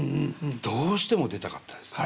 どうしても出たかったですね。